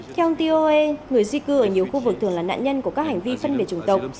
theo ông tioe người di cư ở nhiều khu vực thường là nạn nhân của các hành vi phân biệt chủng tộc